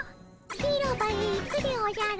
広場へ行くでおじゃる。